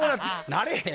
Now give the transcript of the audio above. なれへん。